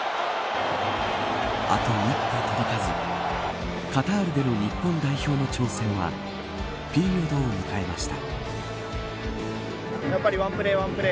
あと一歩届かずカタールでの日本代表の挑戦はピリオドを迎えました。